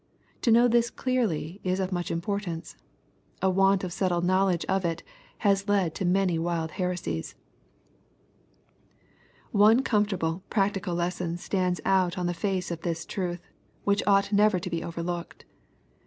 To know this clearly is of much importance. A want of settled knowledge of it has led to many wild heresies. One comfortable practical lesson stands out on the face of this truth, which ought never to be overlooked.